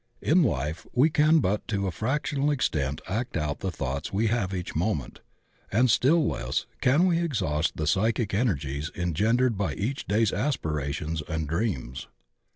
In Ufe we can but to a fractional extent act out the thoughts we have each moment; and still less can we exhaust the psychic energies engendered by each day's aspirations and dreams.